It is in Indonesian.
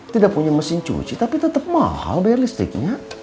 tidak punya mesin cuci tapi tetap mahal bayar listriknya